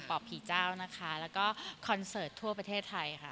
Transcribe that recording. อบผีเจ้านะคะแล้วก็คอนเสิร์ตทั่วประเทศไทยค่ะ